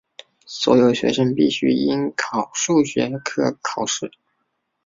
所有学生必须应考数学科考试。